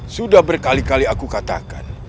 sudah berkali kali aku katakan